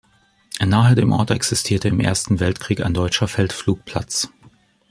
Nahe dem Ort existierte im Ersten Weltkrieg ein deutscher Feldflugplatz.